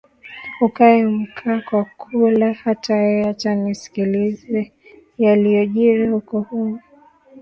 ukae mkaa wa kula hata eeh acha ni sikilize yaliojiri huko huum